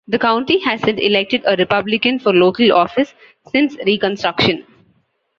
The county hasn't elected a Republican for local office since Reconstruction.